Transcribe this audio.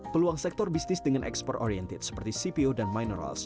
peluang sektor bisnis dengan ekspor oriented seperti cpo dan minerals